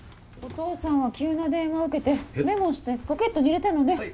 お父さんは急な電話受けてメモしてポケットに入れたのね。